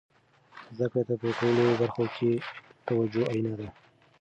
زده کړې ته په ټولو برخو کې توجه اړینه ده.